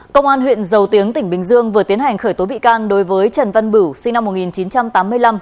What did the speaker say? công an huyện dầu tiếng tỉnh bình dương vừa tiến hành khởi tố bị can đối với trần văn bửu sinh năm một nghìn chín trăm tám mươi năm